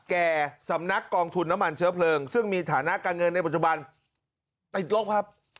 แก่สำนักกองทุนน้ำมันเชื้อเพลิงซึ่งมีฐานะการเงินในปัจจุบันติดลบครับ